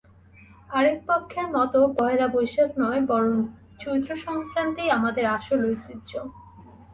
আরেক পক্ষের মত, পয়লা বৈশাখ নয়, বরং চৈত্রসংক্রান্তিই আমাদের আসল ঐতিহ্য।